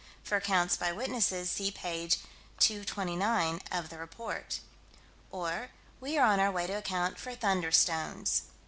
For accounts by witnesses, see page 229 of the Report. Or we are on our way to account for "thunderstones."